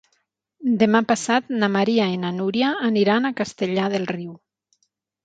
Demà passat na Maria i na Núria aniran a Castellar del Riu.